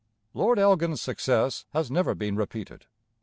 Lord Elgin's success has never been repeated.